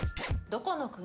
どこの国？